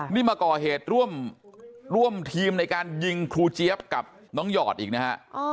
นี่มาก่อเหตุร่วมทีมในการยิงครูเจี๊ยบกับน้องหยอดอีกนะฮะ